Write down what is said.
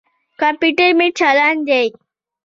کمپیوټر مې چالاند دي.